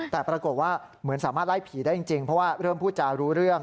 แต่ปรากฏว่าเหมือนสามารถไล่ผีได้จริงเพราะว่าเริ่มพูดจารู้เรื่อง